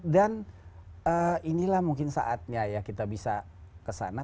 dan inilah mungkin saatnya ya kita bisa kesana